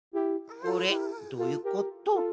これどういうこと？